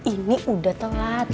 ini udah telat